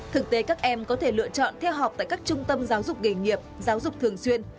thực tế các em có thể lựa chọn theo học tại các trung tâm giáo dục nghề nghiệp giáo dục thường xuyên